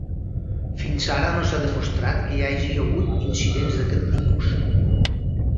Fins ara no s'ha demostrat que hi hagi hagut incidents d'aquest tipus.